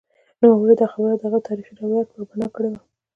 نوموړي دا خبره پر هغه تاریخي روایت پر بنا کړې وه.